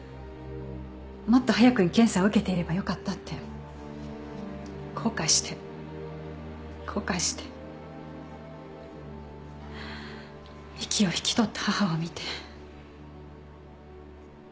もっと早く検査を受けていればよかったって後悔して後悔して息を引き取った母を見て。